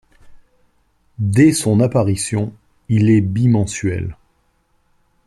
Dès son apparition, il est bimensuel.